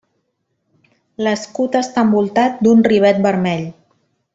L'escut està envoltat d'un rivet vermell.